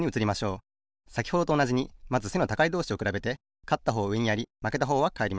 さきほどとおなじにまず背の高いどうしをくらべてかったほうをうえにやりまけたほうはかえります。